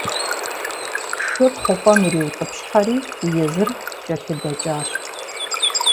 Шыр хъупӀэм ириутӀыпщхьэри, езыр кӀэлъыдэкӀащ.